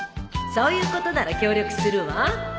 そういうことなら協力するわ